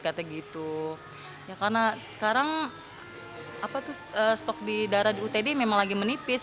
karena sekarang stok darah di utd memang lagi menipis